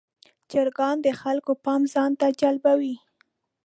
چرګان د خلکو پام ځان ته جلبوي.